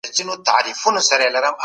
تاسو په ښه چلند سره ښه کار کوئ.